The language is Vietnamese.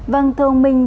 vâng thưa ông minh